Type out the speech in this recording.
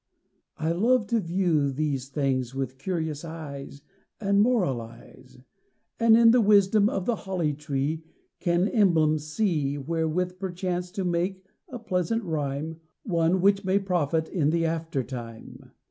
I love to view these things with curious eyes, And moralize; And in this wisdom of the Holly tree Can emblem see Wherewith perchance to make a pleasant rhyme, One which may profit in the after time.